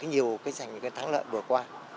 nhiều cái giành cái thắng lợi bữa qua